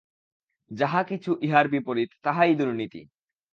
যাহা কিছু ইহার বিপরীত, তাহাই দুর্নীতি।